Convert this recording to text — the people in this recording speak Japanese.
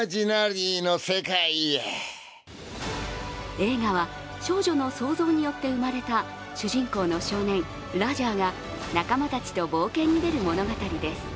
映画は、少女の想像によって生まれた主人公の少年、ラジャーが仲間たちと冒険に出る物語です。